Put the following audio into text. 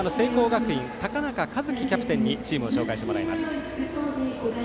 学院高中一樹キャプテンにチームを紹介してもらいます。